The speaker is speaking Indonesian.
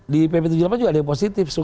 di pp tujuh puluh delapan juga ada yang positif